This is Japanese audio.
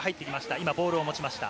今ボールを持ちました。